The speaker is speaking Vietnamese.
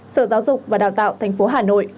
sở giáo dục và đào tạo tp hà nội